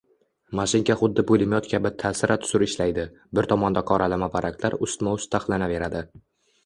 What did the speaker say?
Mashinka xuddi pulemyot kabi tasira-tusir ishlaydi, bir tomonda qoralama varaqlar ustma-ust taxlanaveradi